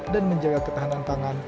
dan menjaga ketahanan tangan